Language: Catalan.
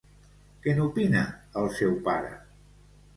Què n'opina el seu pare?